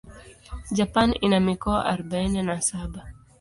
Japan ina mikoa arubaini na saba.